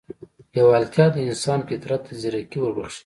لېوالتیا د انسان فطرت ته ځيرکي وربښي.